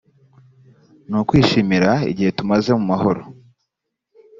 ni ukwishimira igihe tumaze mumahoro.